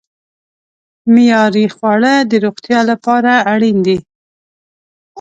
معیاري خواړه د روغتیا لپاره اړین دي.